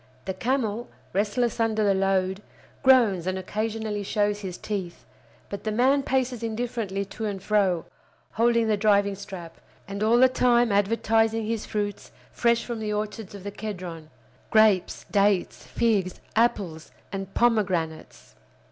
The camel, restless under the load, groans and occasionally shows his teeth; but the man paces indifferently to and fro, holding the driving strap, and all the time advertising his fruits fresh from the orchards of the Kedron—grapes, dates, figs, apples, and pomegranates.